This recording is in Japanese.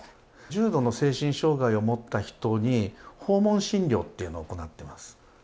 重度の精神障害を持った人に訪問診療っていうのを行ってます。